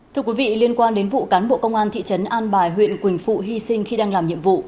thưa quý vị liên quan đến vụ cán bộ công an thị trấn an bài huyện quỳnh phụ hy sinh khi đang làm nhiệm vụ